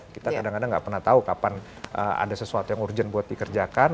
kita kadang kadang nggak pernah tahu kapan ada sesuatu yang urgent buat dikerjakan